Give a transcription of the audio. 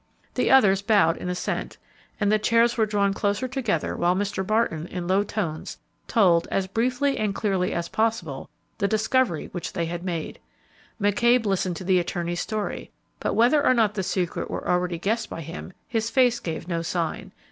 The others bowed in assent, and the chairs were drawn closer together while Mr. Barton, in low tones, told, as briefly and clearly as possible, the discovery which they had made. McCabe listened to the attorney's story, but whether or not the secret were already guessed by him, his face gave no sign.